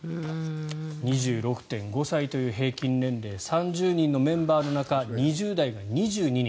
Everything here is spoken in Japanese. ２６．５歳という平均年齢３０人のメンバーの中２０代が２２人。